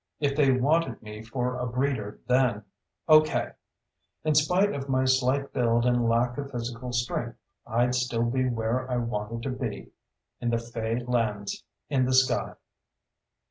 If they wanted me for a breeder then okay. In spite of my slight build and lack of physical strength, I'd still be where I wanted to be. In the fey lands in the sky....